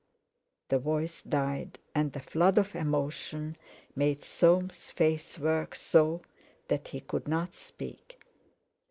the voice died, and a flood of emotion made Soames' face work so that he could not speak.